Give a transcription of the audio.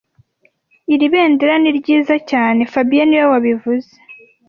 Iri bendera ni ryiza cyane fabien niwe wabivuze